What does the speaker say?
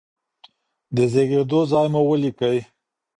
د زیږیدو ځای مو ولیکئ.